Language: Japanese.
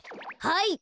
はい！